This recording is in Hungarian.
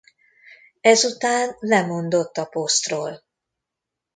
Ezután lemondott a posztról.